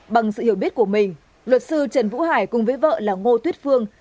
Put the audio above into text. bằng sự hiểu biết của mình luật sư trần vũ hải cùng với vợ là ngô tuyết phương